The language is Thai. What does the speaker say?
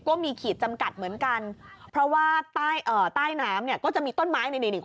ก็มีขีดจำกัดเหมือนกันเพราะว่า